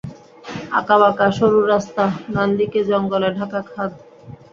আঁকাবাঁকা সরু রাস্তা, ডান দিকে জঙ্গলে ঢাকা খাদ।